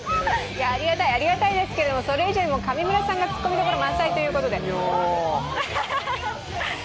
ありがたいですけど、それ以上に上村さんがツッコミどころ満載ということで。